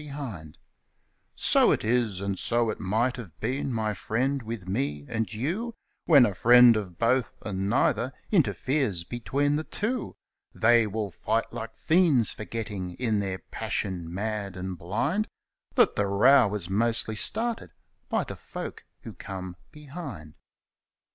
212 TH MEN WHO COME BEHIND So it is, and so it might have been, my friend, with me and you When a friend of both and neither interferes between the two ; They will fight like fiends, forgetting in their passion mad and blind, That the row is mostly started by the folk who come behind.